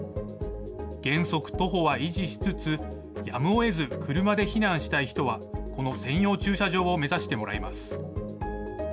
原則徒歩は維持しつつ、やむをえず車で避難したい人は、この専用駐車場を目指してもらいます。